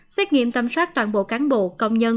xét nghiệm tâm soát toàn bộ cán bộ công nhân